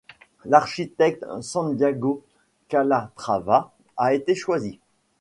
L'architecte Santiago Calatrava a été choisi.